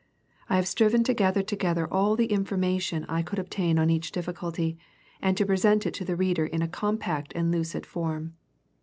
I have striven to gather together all the information I could obtain on each difficulty, and to present it to the reader in a compact and lucid form.